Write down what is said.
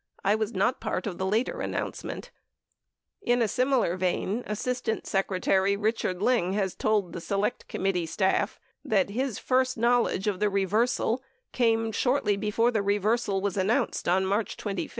I was not part of the later an nouncement." 96 In a similar vein, Assistant Secretary Richard Lyng has told the Select Committee staff that his first knowledge of the re versal came shortly before the reversal was announced on March 25, 93 Land O Dakes, for one, had opposed an increase.